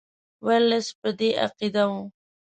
ورلسټ په دې عقیده وو.